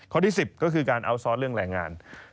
ที่๑๐ก็คือการเอาซอสเรื่องแรงงาน